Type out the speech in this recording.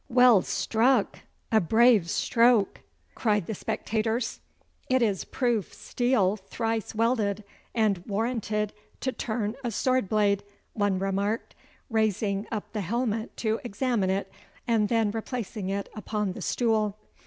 'Well struck!' 'A brave stroke!' cried the spectators. 'It is proof steel thrice welded, and warranted to turn a sword blade,' one remarked, raising up the helmet to examine it, and then replacing it upon the stool.